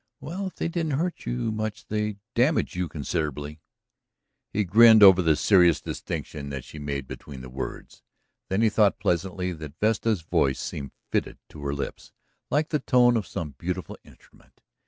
"Well, if they didn't hurt you much they damaged you considerably." He grinned over the serious distinction that she made between the words. Then he thought, pleasantly, that Vesta's voice seemed fitted to her lips like the tone of some beautiful instrument.